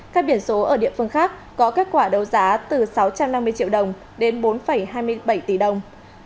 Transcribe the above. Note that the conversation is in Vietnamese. các biển số ở địa phương khác có kết quả đấu giá từ sáu trăm năm mươi triệu đồng đến bốn hai mươi bảy tỷ đồng